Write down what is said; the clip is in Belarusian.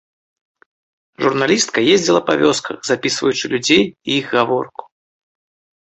Журналістка ездзіла па вёсках, запісваючы людзей і іх гаворку.